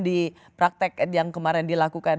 di praktek yang kemarin dilakukan